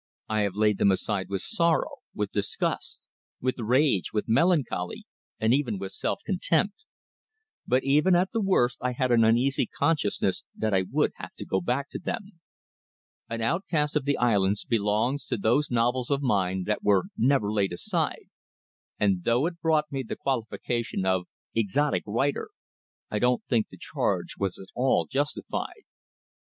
I have laid them aside with sorrow, with disgust, with rage, with melancholy and even with self contempt; but even at the worst I had an uneasy consciousness that I would have to go back to them. "An Outcast of the Islands" belongs to those novels of mine that were never laid aside; and though it brought me the qualification of "exotic writer" I don't think the charge was at all justified.